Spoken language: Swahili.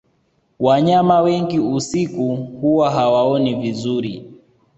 wanyama wengi usiku huwa hawaoni vizuri